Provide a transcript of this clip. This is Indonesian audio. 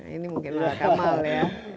ini mungkin lah kamar ya